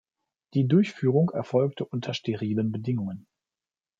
Die Durchführung erfolgt unter sterilen Bedingungen.